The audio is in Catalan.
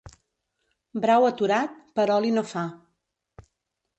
Brau aturat, per oli no fa.